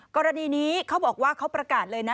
กรณีนี้เขาบอกว่าเขาประกาศเลยนะ